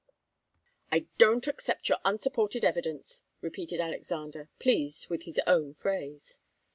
"I don't accept your unsupported evidence," repeated Alexander, pleased with his own phrase.